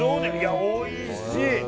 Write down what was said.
おいしい。